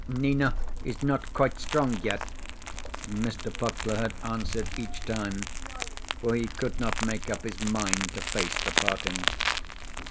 "Nina is not quite strong yet," Mr. Puckler had answered each time, for he could not make up his mind to face the parting.